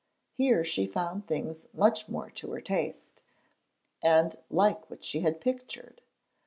Here she found things much more to her taste, and like what she had pictured.